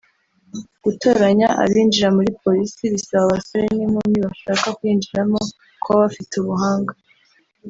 gutoranya abinjira muri Polisi bisaba abasore n’inkumi bashaka kuyinjiramo kuba bafite ubuhanga